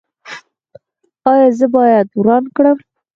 ایا زه باید وران کړم؟